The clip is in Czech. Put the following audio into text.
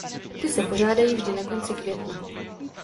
Ty se pořádají vždy na konci května.